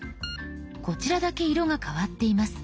こちらだけ色が変わっています。